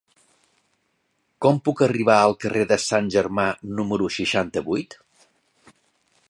Com puc arribar al carrer de Sant Germà número seixanta-vuit?